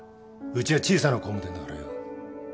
うちは小さな工務店だからよ